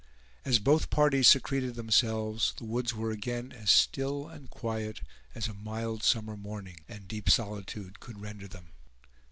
As both parties secreted themselves, the woods were again as still and quiet as a mild summer morning and deep solitude could render them.